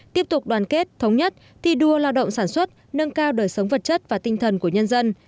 tiếp tục đoàn kết thống nhất thi đua lao động sản xuất nâng cao đời sống vật chất và tinh thần của nhân dân